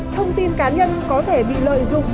thông tin cá nhân có thể bị lợi dụng